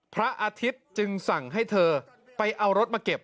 พระอาทิตย์จึงสั่งให้เธอไปเอารถมาเก็บ